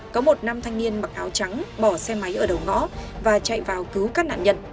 có một nam thanh niên mặc áo trắng bỏ xe máy ở đầu ngõ và chạy vào cứu các nạn nhân